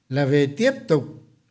là về tiếp tục